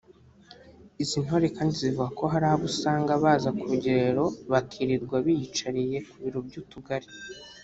Izi ntore kandi zivuga ko hari abo usanga baza ku rugerero bakirirwa biyicariye ku biro by’Utugali